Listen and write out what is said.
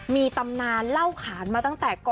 มีตำนานเล่าขานมาตั้งแต่ก่อน